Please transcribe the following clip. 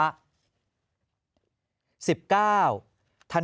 ๑๗ถนนนครสวรรค์จากแยกจักรพฤติพงศ์ถึงแยกผ่านฟ้า